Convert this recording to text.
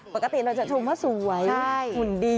ปกติเราจะชมว่าสวยหุ่นดี